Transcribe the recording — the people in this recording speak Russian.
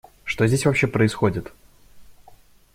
Что здесь вообще происходит?